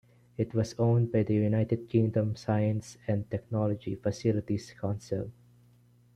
It was owned by the United Kingdom Science and Technology Facilities Council.